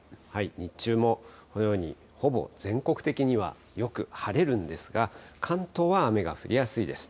日中もこのように、ほぼ全国的にはよく晴れるんですが、関東は雨が降りやすいです。